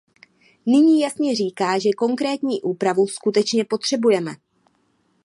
Nyní jasně říká, že konkrétní úpravu skutečně potřebujeme.